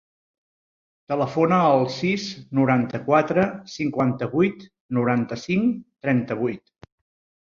Telefona al sis, noranta-quatre, cinquanta-vuit, noranta-cinc, trenta-vuit.